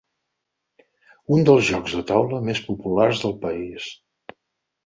Un dels jocs de taula més populars del país.